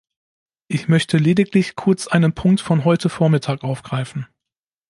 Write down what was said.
Ich möchte lediglich kurz einen Punkt von heute vormittag aufgreifen.